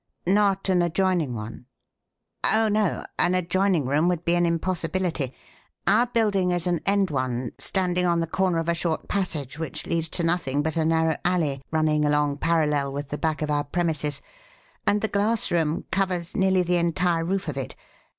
"Not an adjoining one?" "Oh, no; an adjoining room would be an impossibility. Our building is an end one, standing on the corner of a short passage which leads to nothing but a narrow alley running along parallel with the back of our premises, and the glass room covers nearly the entire roof of it.